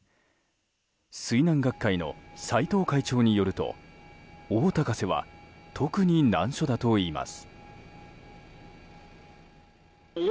水難学会の斎藤会長によると大高瀬は特に難所だといいます。